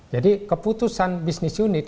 jadi keputusan bisnis unit